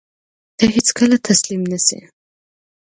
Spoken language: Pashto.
ته هېڅکله تسلیم نه شې.